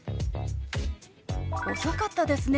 遅かったですね。